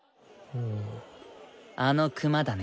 あのクマだね。